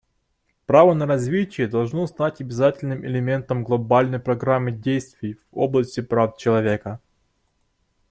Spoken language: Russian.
Право на развитие должно стать обязательным элементом глобальной программы действий в области прав человека.